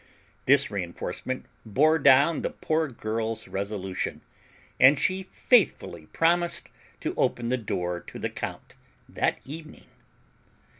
This reinforcement bore down the poor girl's resolution, and she faithfully promised to open the door to the count that evening.